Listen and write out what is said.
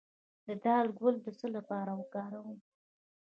د دال ګل د څه لپاره وکاروم؟